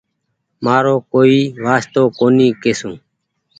مآرو ڪوئي وآستو ڪونيٚ ڪسون